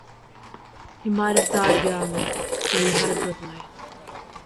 He might have died young, but he had a good life.